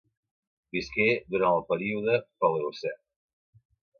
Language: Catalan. Visqué durant el període Paleocè.